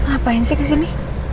apaan sih kesini